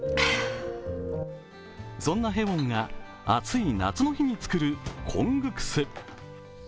そんなヘウォンが暑い夏の日に作るコングクス。